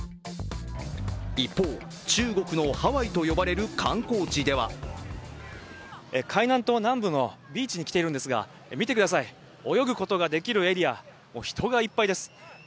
一方、中国のハワイと呼ばれる観光地では海南島南部のビーチに来ているんですが、見てください、泳ぐことができるエリア、人が一杯です。